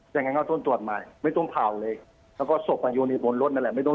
ลูกเค้านี่ถูกผ่าพิสูจน์